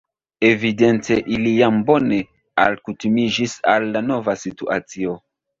Evidente ili jam bone alkutimiĝis al la nova situacio.